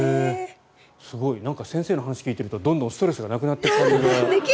すごい先生の話を聞いているとどんどんストレスがなくなっていく感じが。